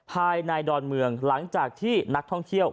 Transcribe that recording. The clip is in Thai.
ภายในดอนเมืองหลังจากที่นักท่องเที่ยว